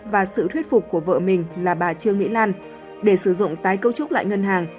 và sự thuyết phục của vợ mình là bà trương mỹ lan để sử dụng tái cấu trúc lại ngân hàng